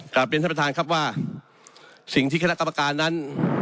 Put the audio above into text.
กราบเรียนจันทรัพย์ประทานครับว่าสิ่งที่คันธการการนั้น